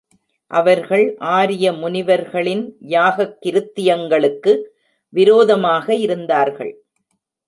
அவர்கள் ஆரிய முனிவர்களின் யாகக் கிருத்தியங்களுக்கு விரோதமாக இருந்தார்கள்.